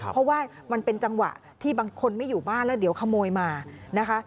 เพราะว่ามันเป็นจังหวะที่บางคนไม่อยู่บ้านแล้วเดี๋ยวขโมยมานะคะ